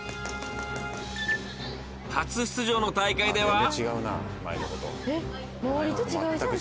［初出場の大会では］